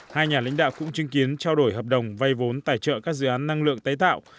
hai nhà lãnh đạo cũng chứng kiến trao đổi hợp đồng vay vốn tài trợ các dự án năng lượng tái tạo